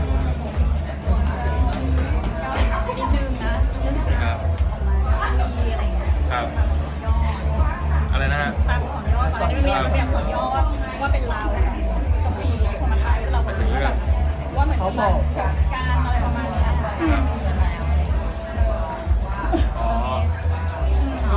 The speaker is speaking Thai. แต่ว่าผมคิดว่าตอนนี้ขอดูเครื่องก่อนนะคะ